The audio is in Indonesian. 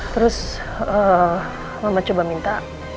terus mama coba minta